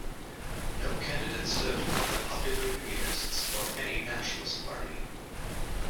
No candidate stood for the Popular Unionists or any nationalist party.